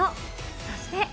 そして。